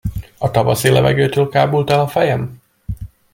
A tavaszi levegőtől kábult el a fejem?